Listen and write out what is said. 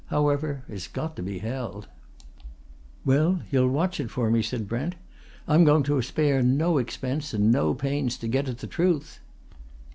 However, it's got to be held." "Well, you'll watch it for me?" said Brent. "I'm going to spare no expense and no pains to get at the truth."